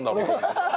ハハハハ！